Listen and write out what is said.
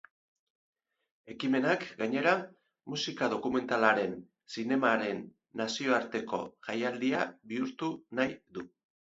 Ekimenak, gainera, musika dokumentalen zinemaren nazioarteko jaialdia bihurtu nahi du.